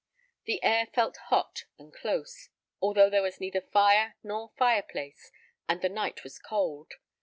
The air felt hot and close, although there was neither fire nor fire place, and the night was cold.